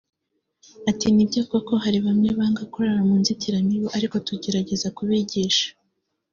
Ati ”Ni byo koko hari bamwe banga kurara mu nzitiramibu ariko tugerageza kubigisha